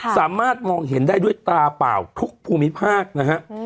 สามารถมองเห็นได้ด้วยตาเปล่าทุกภูมิภาคนะฮะ